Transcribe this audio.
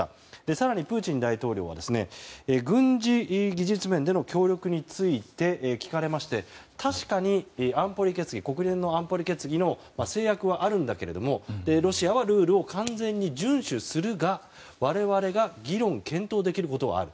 更に、プーチン大統領は軍事技術面での協力について聞かれまして確かに国連の安保理決議の制約はあるんだけれどもロシアはルールを完全に順守するが、我々が議論・検討できることはある。